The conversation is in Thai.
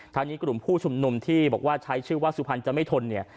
ทางนี้กลุ่มผู้ชุมนุมที่บอกว่าใช้ชื่อว่าสุพรรณจะไม่ทนเนี่ย